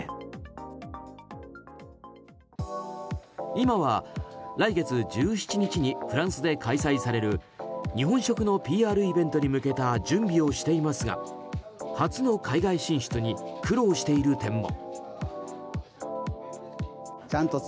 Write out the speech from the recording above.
今は来月１７日にフランスで開催される日本食のＰＲイベントに向けた準備をしていますが初の海外進出に苦労している点も。